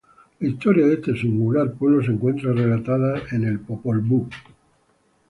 La historia de este singular pueblo se encuentra relatada en el Popol Vuh.